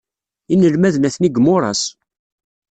Inelmaden atni deg yimuras.